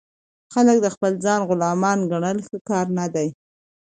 خلک د خپل ځان غلامان ګڼل ښه کار نه دئ.